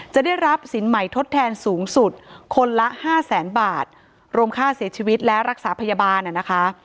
จะได้รับสินใหม่ทดแทนสูงสุดคนละห้าแสนบาทรวมค่าเสียชีวิตและรักษาพยาบาลนะคะ